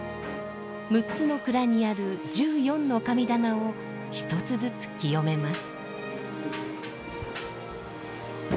６つの蔵にある１４の神棚を一つずつ清めます。